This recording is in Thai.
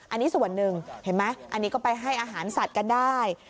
อันนี้ส่วนหนึ่งเห็นไหมอันนี้ก็ไปให้อาหารสัตว์กันได้